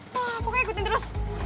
pokoknya ikutin terus